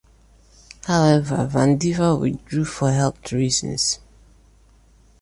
However, Vandiver withdrew for health reasons.